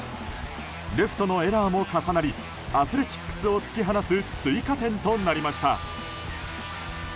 レフトのエラーも重なりアスレチックスを突き放す追加点となりました。